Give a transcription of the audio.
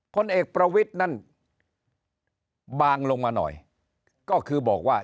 ผลเอกประวิทย์นั้นบางลงมาหน่อยก็คือบอกว่า